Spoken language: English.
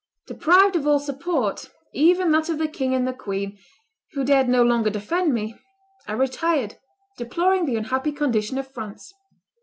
Deprived of all support, even that of the king and the queen, who dared no longer defend me, I retired, deploring the unhappy condition of France.